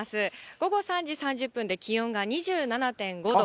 午後３時３０分で気温が２７．５度。